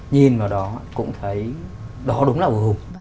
nhìn vào đó cũng thấy đó đúng là của hùng